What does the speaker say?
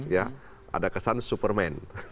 ya ada kesan superman